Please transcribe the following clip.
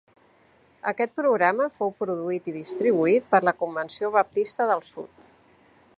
Aquest programa fou produït i distribuït per la Convenció Baptista del Sud.